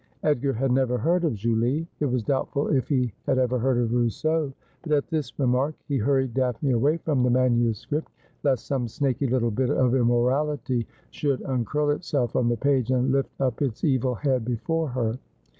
Edgar had never heard of ' Julie.' It was doubtful if he had ever heard of Rousseau ; but at this remark he hurried Daphne away from the manuscript, lest some snaky little bit of im morality should uncurl itself on the page, and lift up its evil head before her.